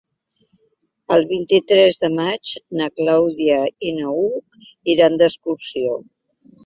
El vint-i-tres de maig na Clàudia i n'Hug iran d'excursió.